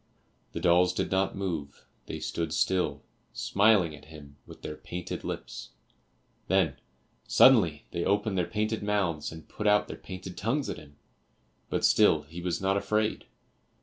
The dolls did not move; they stood still, smiling at him with their painted lips, then suddenly they opened their painted mouths and put out their painted tongues at him; but still he was not afraid.